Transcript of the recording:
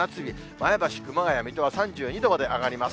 前橋、熊谷、水戸は３２度まで上がります。